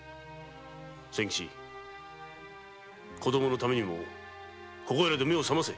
仙吉子供たちのためにもここいらで目を覚ませ。